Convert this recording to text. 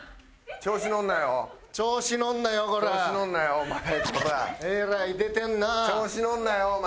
調子乗るなよお前。